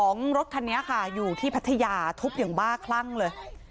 รถคันนี้ค่ะอยู่ที่พัทยาทุบอย่างบ้าคลั่งเลย